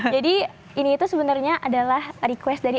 jadi ini itu sebenarnya adalah request dari